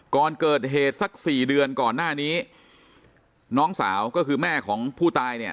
ก่อนเกิดเหตุสักสี่เดือนก่อนหน้านี้น้องสาวก็คือแม่ของผู้ตายเนี่ย